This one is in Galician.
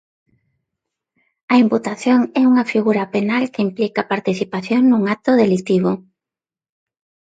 A imputación é unha figura penal que implica participación nun acto delitivo.